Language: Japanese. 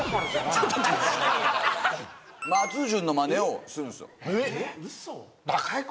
松潤のまねをするんですよ・えっうそ？